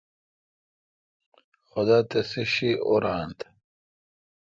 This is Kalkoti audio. خدا تسے°شی۔ اوران تہ۔